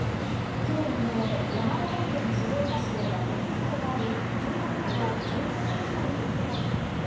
きょう未明、山形県鶴岡市で崖崩れがあり、住宅など１０棟以上に被害がありました。